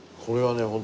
これはね